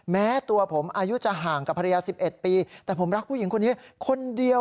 แม้ตัวผมอายุจะห่างกับภรรยา๑๑ปีแต่ผมรักผู้หญิงคนนี้คนเดียว